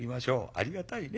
ありがたいね。